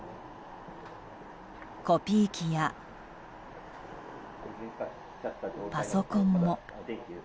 コピー機やパソコンも。